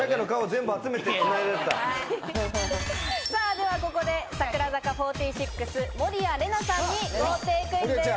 ではここで櫻坂４６・守屋麗奈さんに豪邸クイズです。